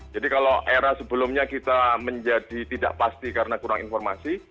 kalau era sebelumnya kita menjadi tidak pasti karena kurang informasi